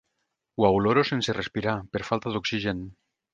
Ho oloro sense respirar, per falta d'oxigen.